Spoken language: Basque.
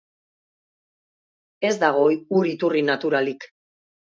Ez dago ur iturri naturalik.